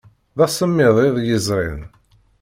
D asemmiḍ iḍ yezrin.